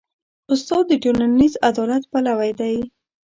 استاد د ټولنیز عدالت پلوی دی.